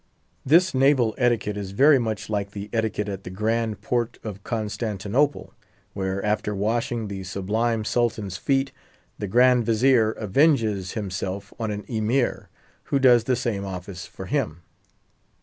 This naval etiquette is very much like the etiquette at the Grand Porte of Constantinople, where, after washing the Sublime Sultan's feet, the Grand Vizier avenges himself on an Emir, who does the same office for him.